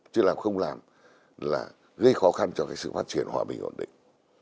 chứ là không làm là gây khó khăn cho cái sự phát triển hòa bình ổn định